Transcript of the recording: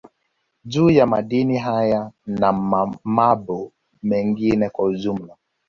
Juu ya Madini haya na mabo mengine kwa ujumla